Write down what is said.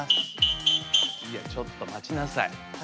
いやちょっと待ちなさい。